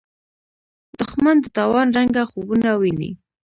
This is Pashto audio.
دښمن د تاوان رنګه خوبونه ویني